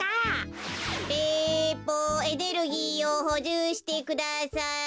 ペポエネルギーをほじゅうしてください。